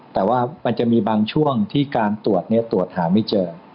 แต่ว่ามันจะมีบางช่วงที่การตรวจตรวจหาไม่เจอ